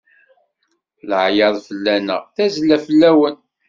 Laɛyaḍ fell-aneɣ, tazzla fell-awen.